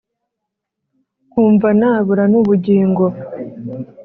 Nkumva nabura nubugingo